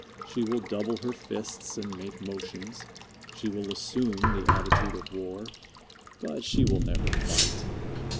She will double her fists and make motions. She will assume the attitude of war, but she will never fight.